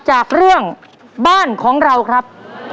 จากเรื่องบ้านของเราครับ